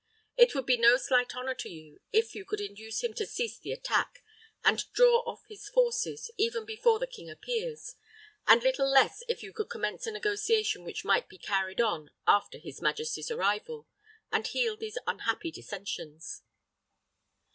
It would be no slight honor to you if you could induce him to cease the attack, and draw off his forces, even before the king appears, and little less if you could commence a negotiation which might be carried on after his majesty's arrival, and heal these unhappy dissensions."